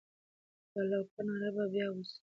د الله اکبر ناره به بیا وسي.